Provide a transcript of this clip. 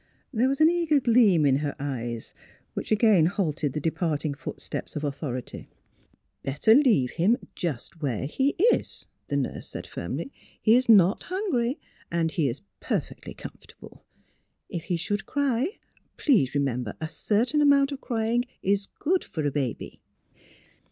There was an eager gleam in her eyes which again halted the departing footsteps of authority. " Better leave him just where he is," the nurse said firmly. " He is not hungry and he is per fectly comfortable. If he should cry, please re member that a certain amount of crying is good for a baby."